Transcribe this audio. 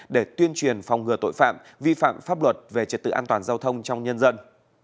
để tuyên truyền phòng ngừa tội phạm vi phạm pháp luật về trật tự an toàn giao thông trong nhân dân